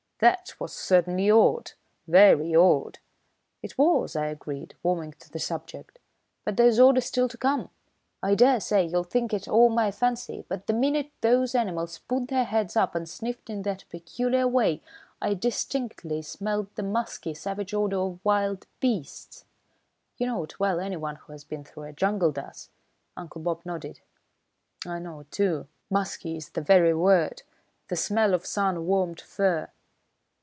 "That was certainly odd, very odd!" "It was," I agreed, warming to the subject, "but there's odder still to come. I dare say you'll think it all my fancy, but the minute those animals put their heads up and sniffed in that peculiar way, I distinctly smelt the musky, savage odour of wild beasts. You know it well, anyone who has been through a jungle does." Uncle Bob nodded. "I know it, too; 'Musky' is the very word the smell of sun warmed fur.